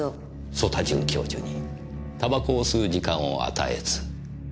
曽田准教授に煙草を吸う時間を与えず。